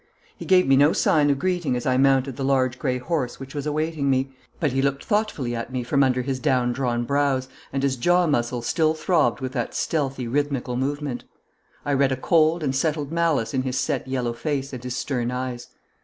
He gave me no sign of greeting as I mounted the large grey horse which was awaiting me, but he looked thoughtfully at me from under his down drawn brows, and his jaw muscles still throbbed with that stealthy rhythmical movement. I read a cold and settled malice in his set yellow face and his stern eyes.